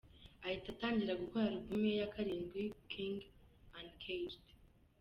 ahita atangira gukora album ye ya karindwi, “King Uncaged”.